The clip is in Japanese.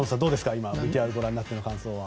今のＶＴＲをご覧になっての感想。